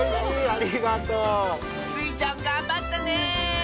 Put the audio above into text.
ありがとう！スイちゃんがんばったね！